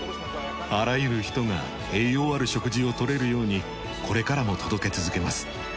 あらゆる人が栄養ある食事を取れるようにこれからも届け続けます。